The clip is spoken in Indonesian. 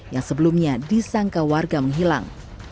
yang sebelumnya disangka warga menghilang